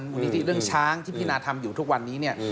มูลนี้ที่เรื่องช้างที่พี่นาทำอยู่ทุกวันนี้